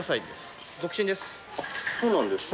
そうなんですか。